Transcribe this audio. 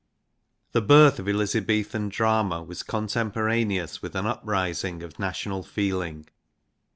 The birth of Elizabethan drama was contem poraneous with an uprising of national feelmg.